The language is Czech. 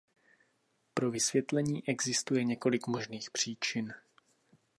Pro vysvětlení existuje několik možných příčin.